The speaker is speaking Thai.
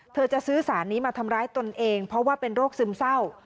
จะซื้อสารนี้มาทำร้ายตนเองเพราะว่าเป็นโรคซึมเศร้า